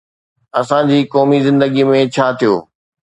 اسان جي قومي زندگيءَ ۾ ڇا ٿيو؟